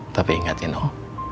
tapi ingat ya noh